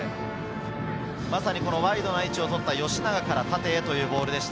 まさにワイドな位置を取った吉永から縦へというボールでした。